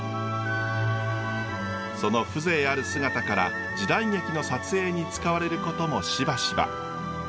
その風情ある姿から時代劇の撮影に使われることもしばしば。